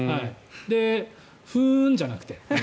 ふーんじゃなくて。